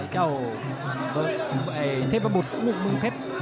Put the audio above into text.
เจ้าเทพพบุธมุกมึงเพชร